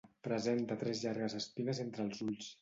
Presenta tres llargues espines entre els ulls.